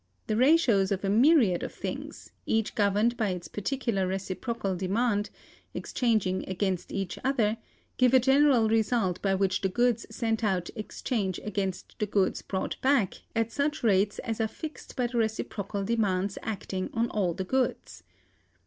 The ratios of a myriad of things, each governed by its particular reciprocal demand, exchanging against each other, give a general result by which the goods sent out exchange against the goods brought back at such rates as are fixed by the reciprocal demands acting on all the goods.